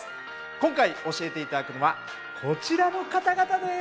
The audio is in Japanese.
今回教えて頂くのはこちらの方々です。